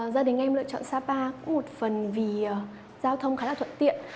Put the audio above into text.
gia đình em lựa chọn sapa cũng một phần vì giao thông khá là thuận tiện